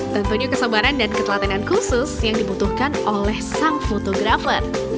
tentunya kesebaran dan ketelatenan khusus yang dibutuhkan oleh sang fotografer